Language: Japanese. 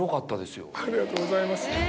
ありがとうございます。